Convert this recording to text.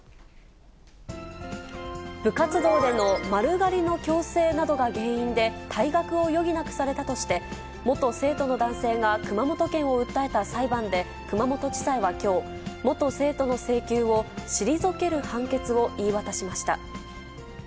部活動での丸刈りの強制などが原因で、退学を余儀なくされたとして、元生徒の男性が熊本県を訴えた裁判で、熊本地裁はきょう、元生徒の請求を退ける判決を言い渡しました。